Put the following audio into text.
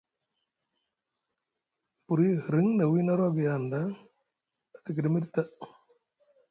Buri hiriŋ na wini arwagui hanɗa a tikiɗi miɗi ta.